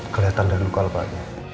kelihatan dari luar pak